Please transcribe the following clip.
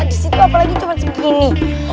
di situ apalagi cuma segini